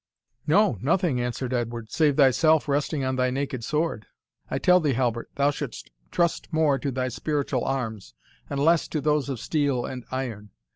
"No, nothing," answered Edward, "save thyself resting on thy naked sword. I tell thee, Halbert, thou shouldst trust more to thy spiritual arms, and less to those of steel and iron.